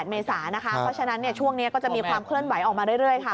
เมษานะคะเพราะฉะนั้นช่วงนี้ก็จะมีความเคลื่อนไหวออกมาเรื่อยค่ะ